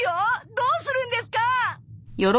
どうするんですか！